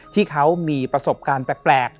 ที่เขามีประสบการณ์แปลก